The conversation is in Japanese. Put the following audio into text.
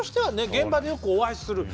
現場でよくお会いする。